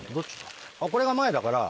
これが前だから。